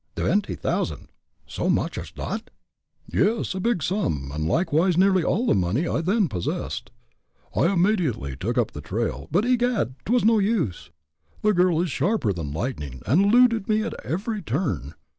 "Twenty t'ousand so much ash dot?" "Yes a big sum, and likewise nearly all the money I then possessed. I immediately took up the trail, but egad! 'twas no use. The girl is sharper than lightning, and eluded me at every turn.